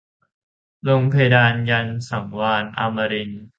ลงเพดานยันต์สังวาลอัมรินทร์